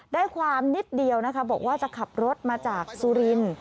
ได้ความนิดเดียวนะคะบอกว่าจะขับรถมาจากสุรินทร์